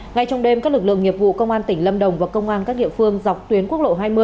ngay trong đêm các lực lượng nghiệp vụ công an tỉnh lâm đồng và công an các địa phương dọc tuyến quốc lộ hai mươi